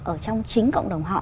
ở trong chính cộng đồng họ